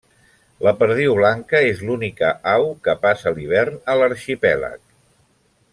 La perdiu blanca és l'única au que passa l'hivern a l'arxipèlag.